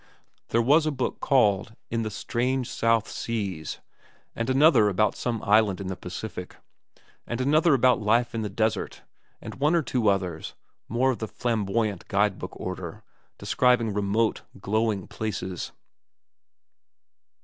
There was a book called In the Strange South Seas ; and another about some island in the Pacific ; and another about life in the desert ; and one or two others, more of the flamboyant guide book order, describing remote, glowing places.